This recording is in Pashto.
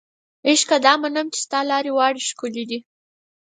عشقه دا منمه چې ستا لارې واړې ښکلې دي